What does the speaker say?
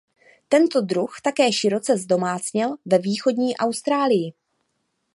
Tento druh také široce zdomácněl ve východní Austrálii.